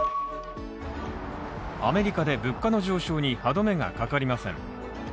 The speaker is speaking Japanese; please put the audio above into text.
アメリカで物価の上昇に歯止めがかかりません。